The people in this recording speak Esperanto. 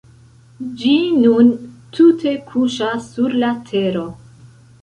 Ĝi nun tute kuŝas sur la tero.